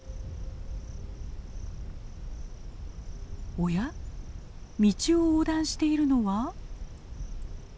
おや道を横断しているのは。